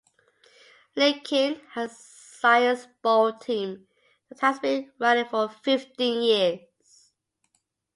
Lincoln has a Science Bowl team that has been running for fifteen years.